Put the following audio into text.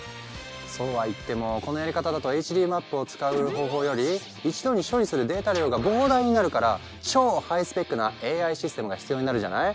そうは言ってもこのやり方だとＨＤマップを使う方法より一度に処理するデータ量が膨大になるから超ハイスペックなＡＩシステムが必要になるじゃない？